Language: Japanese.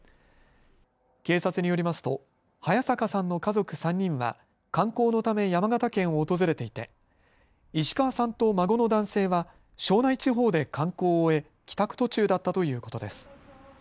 警察によりますと早坂さんの家族３人は観光のため山形県を訪れていて石川さんと孫の男性は庄内地方で観光を終え帰宅途中だったということです。